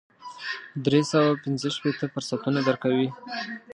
درې سوه او پنځه شپېته فرصتونه درکوي.